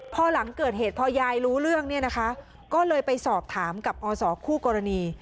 พอหลังเกิดเหตุพอยายรู้เรื่องเนี่ยนะคะก็เลยไปสอบถามกับอศคู่กรณี